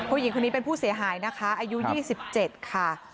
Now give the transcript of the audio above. ผู้หญิงคนนี้เป็นผู้เสียหายนะคะอายุ๒๗ค่ะ